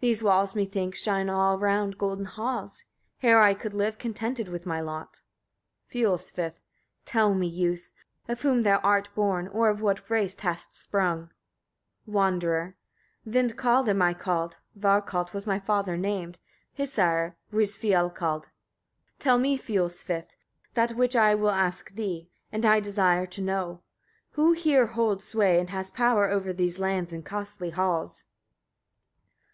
These walls, methinks, shine around golden halls. Here I could live contented with my lot. Fiolsvith. 6. Tell me, youth; of whom thou art born, or of what race hast sprung. Wanderer. 7. Vindkald I am called, Varkald was my father named, his sire was Fiolkald. 8. Tell me, Fiolsvith! that which I will ask thee, and I desire to know: who here holds sway, and has power over these lands and costly halls?